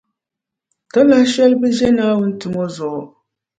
Talahi shɛli bɛʒe Naawuni tumo zuɣu